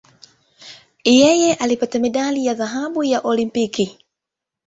Yeye alipata medali ya dhahabu ya Olimpiki.